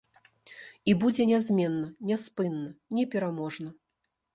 І будзе нязменна, няспынна, непераможна.